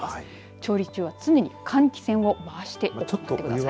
調理中は常に換気扇をまわしてください。